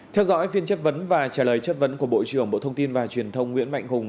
theo dõi phiên chất vấn và trả lời chất vấn của bộ trưởng bộ thông tin và truyền thông nguyễn mạnh hùng